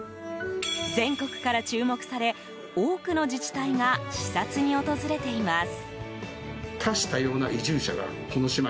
全国から注目され多くの自治体が視察に訪れています。